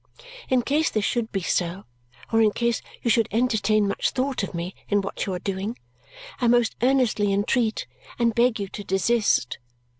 In case this should be so, or in case you should entertain much thought of me in what you are doing, I most earnestly entreat and beg you to desist.